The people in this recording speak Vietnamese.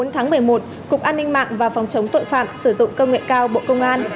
bốn tháng một mươi một cục an ninh mạng và phòng chống tội phạm sử dụng công nghệ cao bộ công an